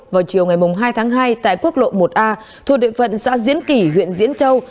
vào chiều ngày hai tháng hai tại quốc lộ một a thuộc địa phận xã diễn kỷ huyện diễn châu